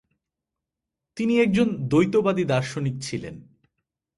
তিনি একজন দ্বৈতবাদী দার্শনিক ছিলেন।